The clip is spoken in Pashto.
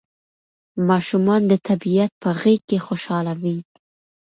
ماشومان د طبیعت په غېږ کې خوشاله وي.